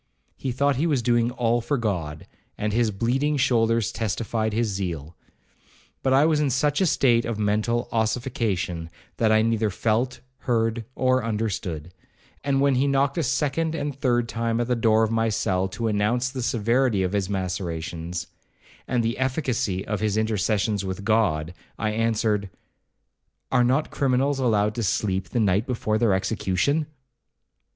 He thought he was doing all for God, and his bleeding shoulders testified his zeal. But I was in such a state of mental ossification, that I neither felt, heard, or understood; and when he knocked a second and third time at the door of my cell to announce the severity of his macerations, and the efficacy of his intercessions with God, I answered, 'Are not criminals allowed to sleep the night before their execution?'